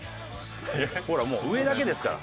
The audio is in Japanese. ほらもう上だけですから。